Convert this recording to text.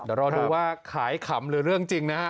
เดี๋ยวรอดูว่าขายขำหรือเรื่องจริงนะฮะ